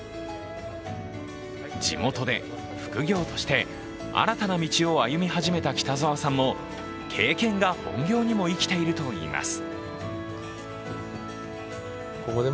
地元で、副業として新たな道を歩み始めた北澤さんも経験が本業にも生きているといいます。